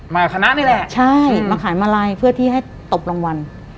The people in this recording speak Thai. คณะนี่แหละใช่มาขายมาลัยเพื่อที่ให้ตบรางวัล